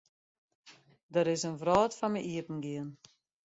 Der is in wrâld foar my iepengien.